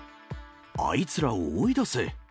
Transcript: あいつらを追い出せ！